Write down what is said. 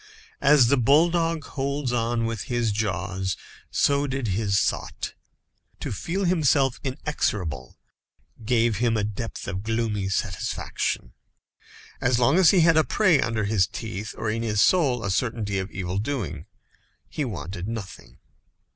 As the bulldog holds on with his jaws, so did his thought. To feel himself inexorable gave him a depth of gloomy satisfaction. As long as he had a prey under his teeth, or in his soul, a certainty of evil doing, he wanted nothing.